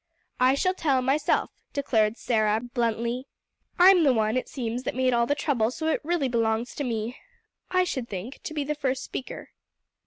"I shall tell, myself," declared Sarah bluntly. "I'm the one, it seems, that made all the trouble, so it really belongs to me, I should think, to be the first speaker."